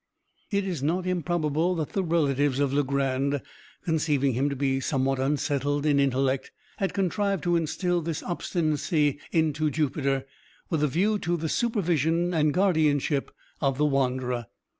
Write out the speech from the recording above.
It is not improbable that the relatives of Legrand, conceiving him to be somewhat unsettled in intellect, had contrived to instil this obstinacy into Jupiter, with a view to the supervision and guardianship of the wanderer.